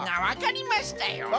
わかりましたか？